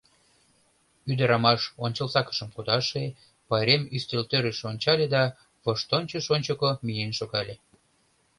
Ӱдырамаш ончылсакышым кудаше, пайрем ӱстелтӧрыш ончале да воштончыш ончыко миен шогале.